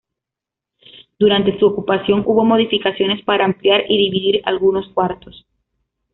Durante su ocupación hubo modificaciones para ampliar y dividir algunos cuartos.